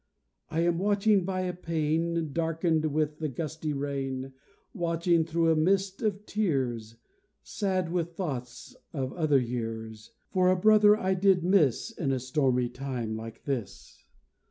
I am watching by a pane Darkened with the gusty rain, Watching, through a mist of tears, Sad with thoughts of other years, For a brother I did miss In a stormy time like this.